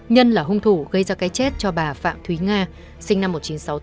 nhân là hung thủ gây ra cái chết cho bà phạm thúy nga sinh năm một nghìn chín trăm sáu mươi tám